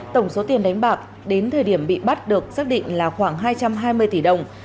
tổng số tiền đánh bạc đến thời điểm bị bắt được xác định là khoảng hai trăm hai mươi tỷ đồng